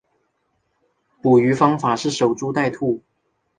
捕鱼方法是守株待兔。